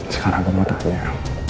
sekarang gue mau tanya